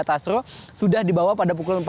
tasro sudah dibawa pada pukul empat belas